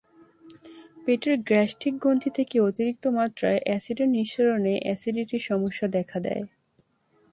পেটের গ্যাস্ট্রিক গ্রন্থি থেকে অতিরিক্ত মাত্রায় অ্যাসিডের নিঃসরণে অ্যাসিডিটির সমস্যা দেখা দেয়।